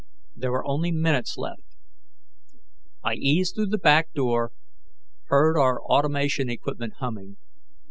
There were only minutes left. I eased through the back door, heard our automation equipment humming.